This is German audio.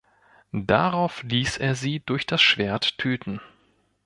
Darauf ließ er sie durch das Schwert töten.